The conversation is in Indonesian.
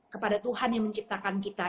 kepada tuhan yang menciptakan kita